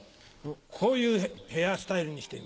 こういうヘアスタイルにしてみました。